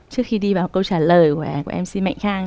trước khi đi vào câu trả lời của mc mạnh khang